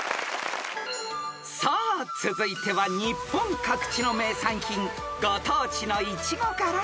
［さあ続いては日本各地の名産品ご当地のイチゴから出題］